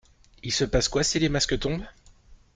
Il se passe quoi si les masques tombent?